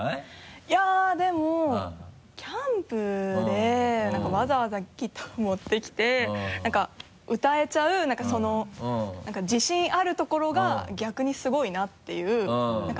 いやでもキャンプでなんかわざわざギターを持ってきて歌えちゃうなんかその自信あるところが逆にすごいなっていう。